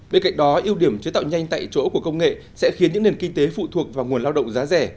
bên cạnh đó ưu điểm chế tạo nhanh tại chỗ của công nghệ sẽ khiến những nền kinh tế phụ thuộc vào nguồn lao động giá rẻ